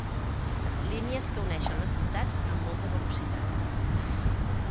Línies que uneixen les ciutats amb molta velocitat.